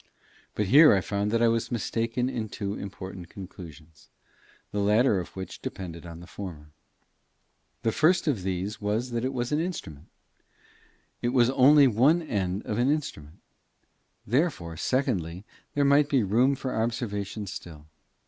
But here I found that I was mistaken in two important conclusions, the latter of which depended on the former. The first of these was that it was an instrument: it was only one end of an instrument; therefore, secondly, there might be room for observation still.